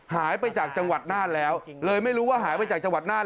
หายไปจากจังหวัดน่านแล้วเลยไม่รู้ว่าหายไปจากจังหวัดน่าน